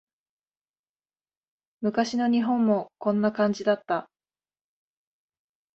昔の日本もこんな感じだった